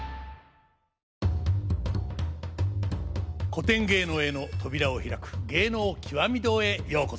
古典芸能への扉を開く「芸能きわみ堂」へようこそ。